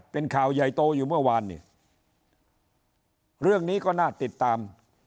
เป็นข่าวใหญ่โตอยู่เมื่อวานนี่เรื่องนี้ก็น่าติดตาม